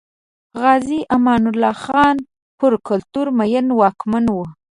غازي امان الله خان پر کلتور مین واکمن و.